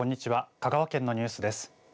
香川県のニュースです。